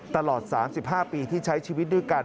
ตลอด๓๕ปีที่ใช้ชีวิตด้วยกัน